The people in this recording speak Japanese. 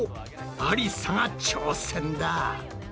ありさが挑戦だ！